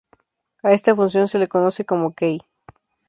A esta función se la conoce como "key".